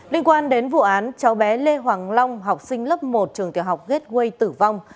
liên quan đến vụ án cháu bé lê hoàng long học sinh lớp một trường tiểu học gateway tử vong